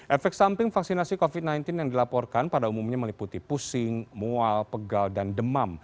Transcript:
efek samping vaksinasi covid sembilan belas yang dilaporkan pada umumnya meliputi pusing mual pegal dan demam